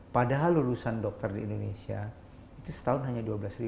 padahal lulusan dokter di indonesia itu setahun hanya dua belas